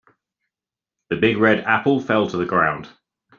The big red apple fell to the ground.